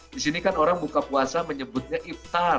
di sini kan orang buka puasa menyebutnya iftar